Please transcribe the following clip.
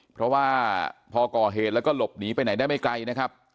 เพราะว่าพอก่อเหตุแล้วก็หลบหนีไปไหนได้ไม่ไกลนะครับ